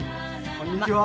こんにちは。